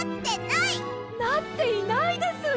なっていないです！